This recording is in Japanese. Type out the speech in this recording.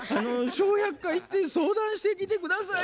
「『笑百科』行って相談してきて下さい」。